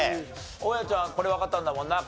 大家ちゃんこれわかったんだもんな。